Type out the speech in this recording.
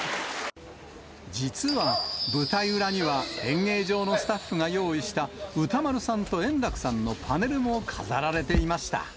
実は、舞台裏には演芸場のスタッフが用意した、歌丸さんと円楽さんのパネルも飾られていました。